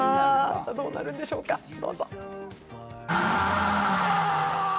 どうなるんでしょうか、どうぞ。